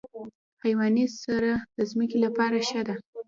حیواني سره د ځمکې لپاره ښه ده.